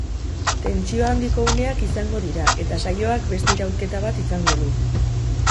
Tentsio handiko uneak izango dira eta saioak beste iraulketa bat izango du.